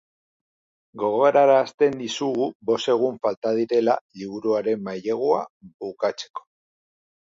Gogorarazten dizugu bost egun falta direla liburuaren mailegua bukatzeko.